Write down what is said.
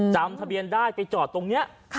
จำทะเบียนได้ไปจอดตรงนี้